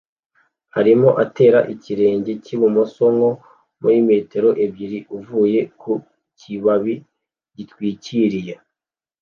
arimo atera ikirenge cy'ibumoso nko muri metero ebyiri uvuye ku kibabi gitwikiriye